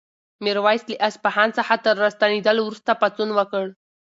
میرویس له اصفهان څخه تر راستنېدلو وروسته پاڅون وکړ.